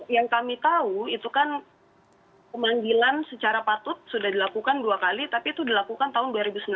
yang kami tahu itu kan pemanggilan secara patut sudah dilakukan dua kali tapi itu dilakukan tahun dua ribu sembilan belas